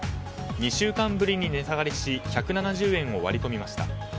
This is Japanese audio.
２週間ぶりに値下がりし１７０円を割り込みました。